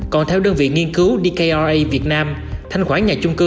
còn theo đơn vị nghiên cứu dkr việt nam thanh khoản nhà chung cư